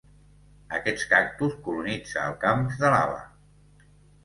Aquest cactus colonitza els camps de lava.